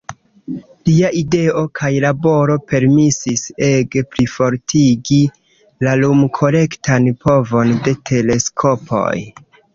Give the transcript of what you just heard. Lia ideo kaj laboro permesis ege plifortigi la lum-kolektan povon de teleskopoj.